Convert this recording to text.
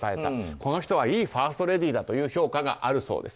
この人はいいファーストレディーだという評価があるそうです。